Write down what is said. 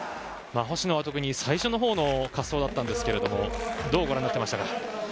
星野は特に最初のほうの滑走だったんですがどうご覧になっていましたか？